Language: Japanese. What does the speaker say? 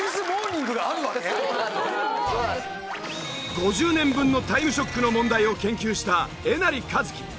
５０年分の『タイムショック』の問題を研究したえなりかずき。